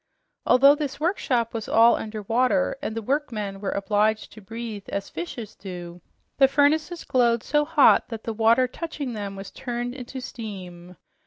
Although this workshop was all under water and the workmen were all obliged to breathe as fishes do, the furnaces glowed so hot that the water touching them was turned into steam.